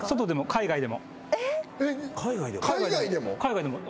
海外でも！？